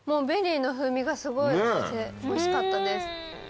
ベリーの風味がすごいしておいしかったです。